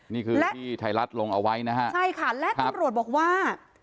นี่คือที่ไทยรัฐลงเอาไว้นะฮะใช่ค่ะและตำรวจบอกว่า